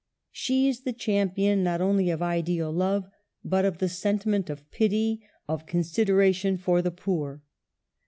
She is the champion, not only of ideal love, but of the sentiment of pity, of consideration for the poor.